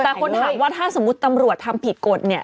มีคนถามว่าถ้าสมมติต่ำรวจทำผิดกฎ